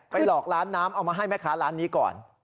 หลอกร้านน้ำเอามาให้แม่ค้าร้านนี้ก่อน